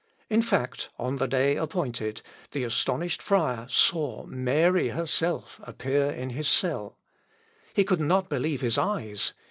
In fact, on the day appointed, the astonished friar saw Mary herself appear in his cell. He could not believe his eyes.